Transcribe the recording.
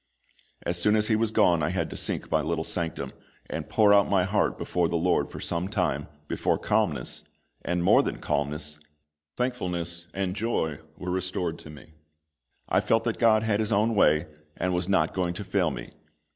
As soon as he was gone I had to seek my little sanctum, and pour out my heart before the LORD for some time, before calmness and more than calmness thankfulness, and joy were restored to me. I felt that GOD had His own way, and was not going to fail me.